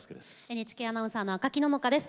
ＮＨＫアナウンサーの赤木野々花です。